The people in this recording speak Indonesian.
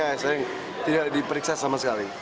ayah saya tidak diperiksa sama sekali